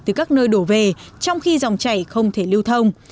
từ các nơi đổ về trong khi dòng chảy không thể lưu thông